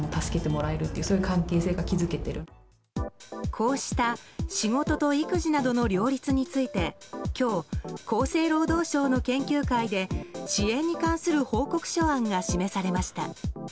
こうした仕事と育児などの両立について今日、厚生労働省の研究会で支援に関する報告書案が示されました。